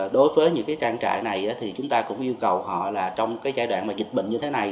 đối với những trang trại này chúng ta cũng yêu cầu họ trong giai đoạn dịch bệnh như thế này